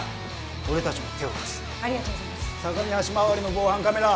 俺達も手を貸すありがとうございますさかみ橋周りの防犯カメラ